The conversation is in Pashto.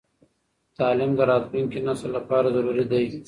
تعليم د راتلونکي نسل لپاره ضروري دی.